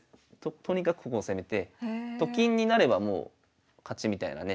とにかくここを攻めてと金になればもう勝ちみたいなね